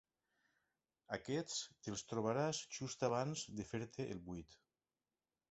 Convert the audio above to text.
Aquests te'ls trobaràs just abans de fer-te el buit.